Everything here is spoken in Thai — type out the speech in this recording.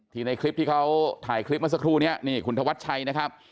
ที่ในคลิปที่เขาถ่ายคลิปมาสักครู่เนี่ยคุณธวัชชัยนะครับ